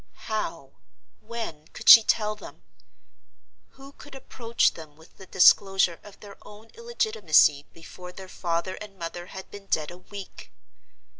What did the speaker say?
How—when could she tell them? Who could approach them with the disclosure of their own illegitimacy before their father and mother had been dead a week?